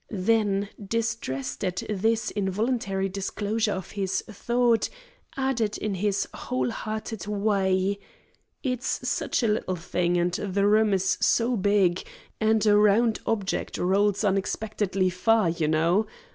Then, distressed at this involuntary disclosure of his thought, added in his whole hearted way: "It's such a little thing, and the room is so big and a round object rolls unexpectedly far, you know.